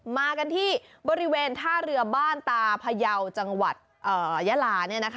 มากันที่บริเวณท่าเรือบ้านตาพยาวจังหวัดยะลา